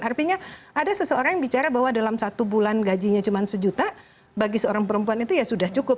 artinya ada seseorang yang bicara bahwa dalam satu bulan gajinya cuma sejuta bagi seorang perempuan itu ya sudah cukup